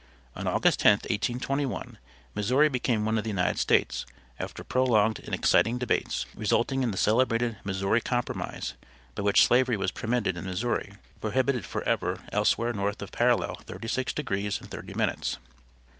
On August 10th, 1821, Missouri became one of the United States, after prolonged and exciting debates, resulting in the celebrated "Missouri Compromise," by which slavery was permitted in Missouri but prohibited FOREVER elsewhere north of parallel thirty six degrees and thirty minutes.